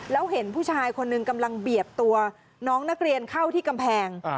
แล้วเห็นผู้ชายคนหนึ่งกำลังเบียดตัวน้องนักเรียนเข้าที่กำแพง